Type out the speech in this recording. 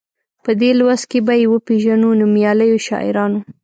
په دې لوست کې به یې وپيژنو نومیالیو شاعرانو.